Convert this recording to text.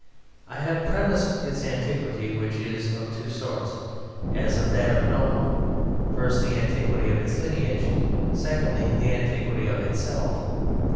I have premised its antiquity, which is of two sorts, as is that of a nobleman. First, the antiquity of its lineage; secondly, the antiquity of its self.